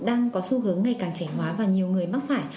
đang có xu hướng ngày càng trẻ hóa và nhiều người mắc phải